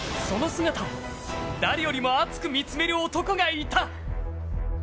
その姿を誰よりも熱く見つめる男がいた。